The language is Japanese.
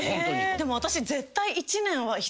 でも私。